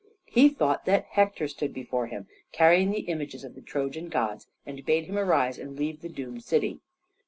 He thought that Hector stood before him carrying the images of the Trojan gods and bade him arise and leave the doomed city.